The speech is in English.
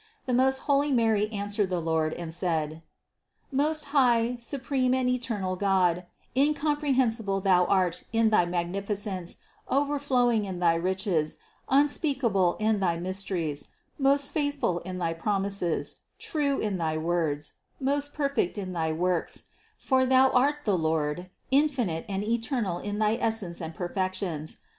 The most holy Mary answered the Lord and said : "Most high, supreme and eternal God, incomprehensible Thou art in thy magnifi cence, overflowing in thy riches, unspeakable in thy mys teries, most faithful in thy promises, true in thy words, most perfect in thy works, for Thou art the Lord, in finite and eternal in thy essence and perfections.